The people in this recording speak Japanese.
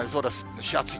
蒸し暑い。